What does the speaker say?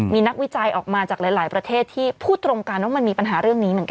มีนักวิจัยออกมาจากหลายประเทศที่พูดตรงกันว่ามันมีปัญหาเรื่องนี้เหมือนกัน